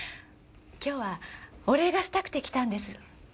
今日はお礼がしたくて来たんです。